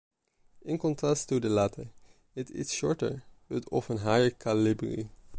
In contrast to the latter, it is shorter, but of a higher calibre.